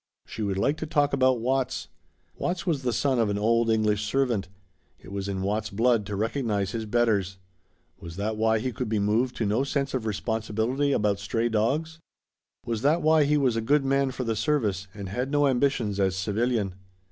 She would like to talk about Watts. Watts was the son of an old English servant. It was in Watts' blood to "recognize his betters." Was that why he could be moved to no sense of responsibility about stray dogs? Was that why he was a good man for the service and had no ambitions as civilian?